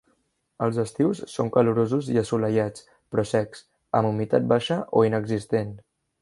Els estius són calorosos i assolellats, però secs, amb humitat baixa o inexistent.